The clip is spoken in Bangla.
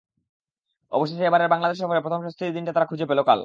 অবশেষে এবারের বাংলাদেশ সফরে প্রথম স্বস্তির দিনটা তারা খুঁজে পেল কাল।